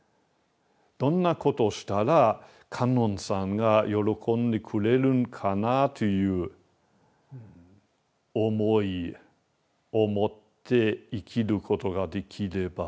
どんなことをしたら観音さんが喜んでくれるかなという思いを持って生きることができれば。